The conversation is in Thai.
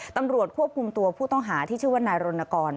ตำรวจควบคุมตัวผู้ต้องหาที่ชื่อว่านายรณกร